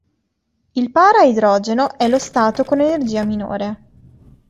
Il para-idrogeno è lo stato con energia minore.